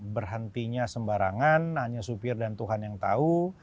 berhentinya sembarangan hanya supir dan tuhan yang tahu